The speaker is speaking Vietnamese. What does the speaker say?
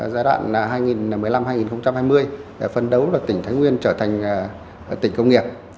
giai đoạn hai nghìn một mươi năm hai nghìn hai mươi phân đấu tỉnh thái nguyên trở thành tỉnh công nghiệp